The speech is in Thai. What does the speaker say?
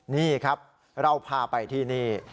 นี่ครับเราพาไปที่นี่